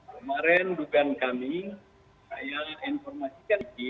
kemarin dukan kami saya informasikan lagi